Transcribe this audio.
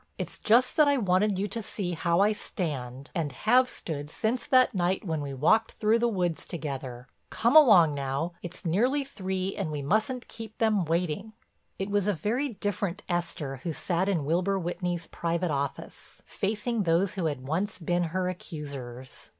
It's just that I wanted you to see how I stand and have stood since that night when we walked through the woods together. Come along now—it's nearly three, and we mustn't keep them waiting." It was a very different Esther who sat in Wilbur Whitney's private office, facing those who had once been her accusers.